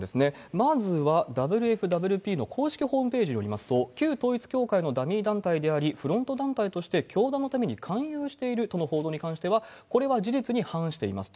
まずは、ＷＦＷＰの公式ホームページによりますと、旧統一教会のダミー団体であり、フロント団体として教団のために勧誘しているとの報道に関しては、これは事実に反していますと。